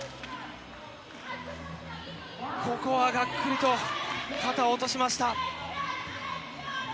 ここはがっくりと肩を落としました。